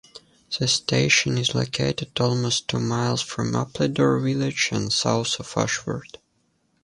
The station is located almost two miles from Appledore village and south of Ashford.